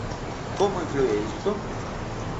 Como inflúe isto?